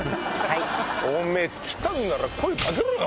おめぇ来たんなら声掛けろよ。